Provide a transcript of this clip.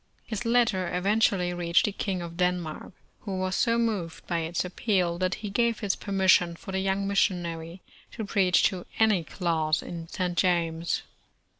Plis letter eventually reached the King of Denmark, who was so moved by its appeal, that he gave his per mission for the young missionary to preach to any class in St. Thomas.